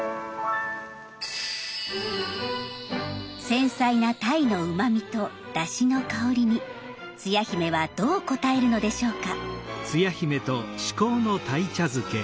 繊細な鯛のうまみとだしの香りにつや姫はどう応えるのでしょうか。